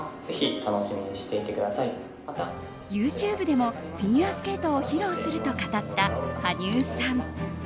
ＹｏｕＴｕｂｅでもフィギュアスケートを披露すると語った羽生さん。